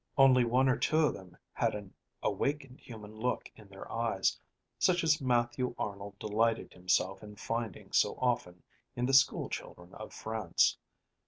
Only one or two of them had an awakened human look in their eyes, such as Matthew Arnold delighted himself in finding so often in the school children of France.